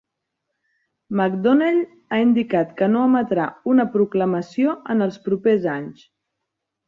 McDonnell ha indicat que no emetrà una proclamació en els propers anys.